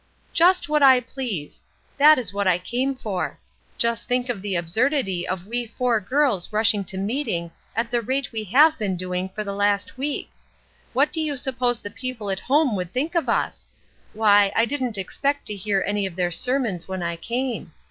"Just what I please! That is what I came for. Just think of the absurdity of we four girls rushing to meeting at the rate we have been doing for the last week. What do you suppose the people at home would think of us? Why, I didn't expect to hear any of their sermons when I came.